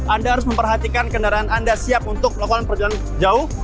anda harus memperhatikan kendaraan anda siap untuk melakukan perjalanan jauh